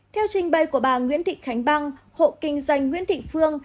theo trình bày của bà nguyễn thị khánh băng hộ kinh doanh nguyễn thị phương